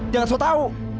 jangan sok tau